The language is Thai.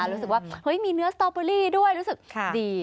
รู้สึกว่าเฮ้ยมีเนื้อสตอเบอรี่ด้วยรู้สึกดี